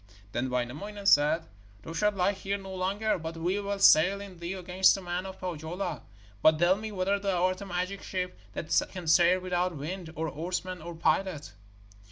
Then Wainamoinen said: 'Thou shalt lie here no longer, but we will sail in thee against the men of Pohjola. But tell me whether thou art a magic ship that can sail without wind, or oarsmen, or pilot.'